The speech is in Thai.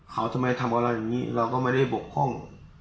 เขาทำไมทำกับเราอย่างนี้เราก็ไม่ได้บกพร่อง